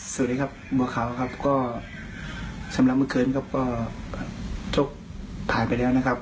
สวัสดีครับบัวขาวครับก็สำหรับเมื่อคืนครับก็ชกผ่านไปแล้วนะครับ